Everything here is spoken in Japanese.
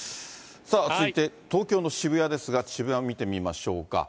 続いて東京の渋谷ですが、渋谷を見てみましょうか。